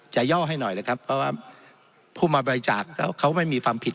ย่อให้หน่อยเลยครับเพราะว่าผู้มาบริจาคเขาไม่มีความผิด